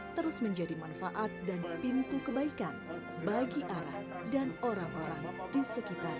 terus menjadi manfaat dan pintu kebaikan bagi ara dan orang orang di sekitarnya